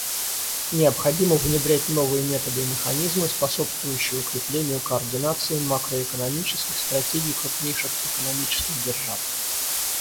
Необходимо внедрять новые методы и механизмы, способствующие укреплению координации макроэкономических стратегий крупнейших экономических держав.